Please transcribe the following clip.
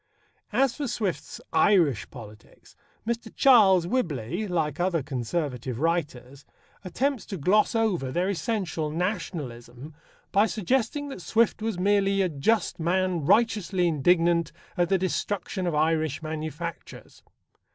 As for Swift's Irish politics, Mr. Charles Whibley, like other Conservative writers, attempts to gloss over their essential Nationalism by suggesting that Swift was merely a just man righteously indignant at the destruction of Irish manufactures.